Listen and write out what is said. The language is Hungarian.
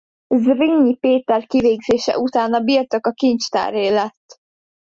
Zrínyi Péter kivégzése után a birtok a kincstáré lett.